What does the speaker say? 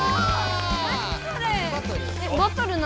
何それ？